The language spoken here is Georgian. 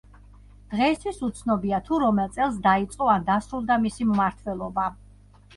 დღეისთვის უცნობია თუ რომელ წელს დაიწყო ან დასრულდა მისი მმართველობა.